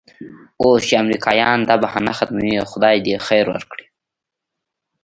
اوس چې امریکایان دا بهانه ختموي خدای دې خیر ورکړي.